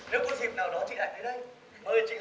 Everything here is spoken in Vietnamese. nếu có dịp nào đó chị ảnh đi đây